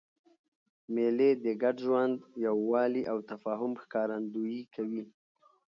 مېلې د ګډ ژوند، یووالي او تفاهم ښکارندویي کوي.